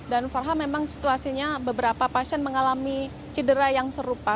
dan farha memang situasinya beberapa pasien mengalami cedera yang serupa